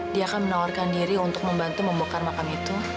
dia akan menawarkan diri untuk membantu membokar makam itu